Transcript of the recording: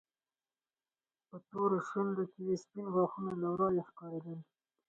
په تورو شونډو کې يې سپين غاښونه له ورايه ښکارېدل.